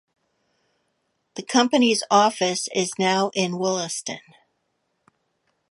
The company's office is now in Wollaston.